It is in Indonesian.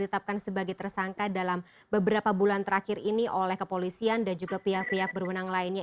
ditetapkan sebagai tersangka dalam beberapa bulan terakhir ini oleh kepolisian dan juga pihak pihak berwenang lainnya